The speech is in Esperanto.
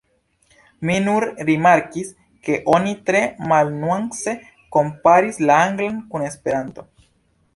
Mi nur rimarkis ke oni tre malnuance komparis la anglan kun esperanto.